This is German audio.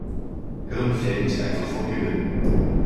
Hirn fällt nicht einfach vom Himmel.